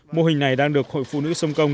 mô hình này đang được hội phụ nữ sông công